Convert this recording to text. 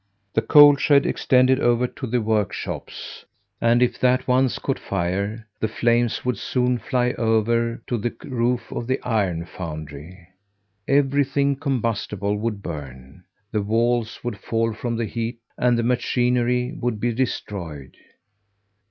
The coal shed extended over to the workshops, and if that once caught fire, the flames would soon fly over to the roof of the iron foundry. Everything combustible would burn, the walls would fall from the heat, and the machinery would be destroyed.